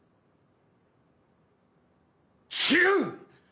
違う！